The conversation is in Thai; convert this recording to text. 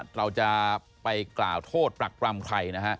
เราจะไปกล่าวโทษปรักปรำใครนะฮะ